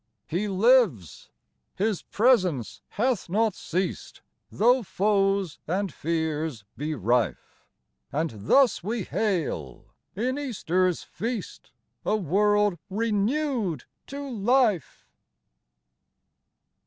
He lives : His presence hath not ceased, Though foes and fears be rife ; And thus we hail, in Easter's feast, A world renewed to life.